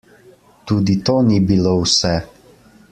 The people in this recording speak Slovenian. Tudi to ni bilo vse.